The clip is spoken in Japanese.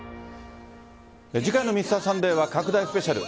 次回の「Ｍｒ．サンデー」は拡大スペシャル。